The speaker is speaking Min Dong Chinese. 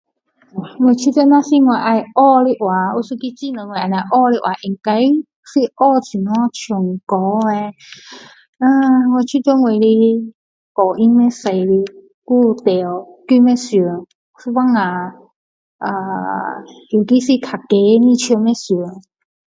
我觉得如果我要学的话，有一个技能我可以学的话，应该是学怎样唱歌啊，啊，我觉得我的歌音没用的，还有调跟不上，一半下啊尤其是较高的唱不上